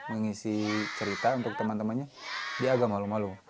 mengisi cerita untuk teman temannya dia agak malu malu